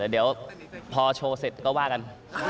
เดี๋ยวพอโชว์เสร็จก็ว่ากัน